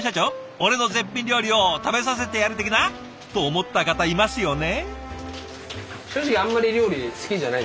俺の絶品料理を食べさせてやる的な？と思った方いますよね？